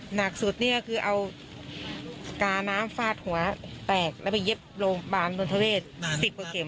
หนักสุดนี่ก็คือเอากาน้ำฟาดหัวแตกแล้วไปเย็บโรงพยาบาลดนทเวศ๑๐กว่าเข็ม